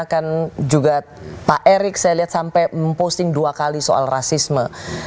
akan juga pak erik saya lihat sampai memposting dua kali soal rasisme